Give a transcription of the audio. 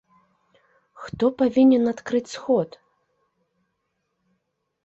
Хто павінен адкрыць сход?